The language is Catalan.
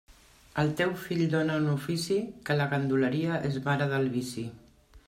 Al teu fill dóna un ofici, que la ganduleria és mare del vici.